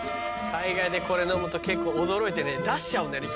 海外でこれ飲むと結構驚いてね出しちゃうんだよね。